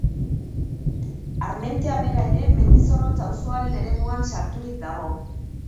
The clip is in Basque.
Armentia bera ere Mendizorrotz auzoaren eremuan sarturik dago.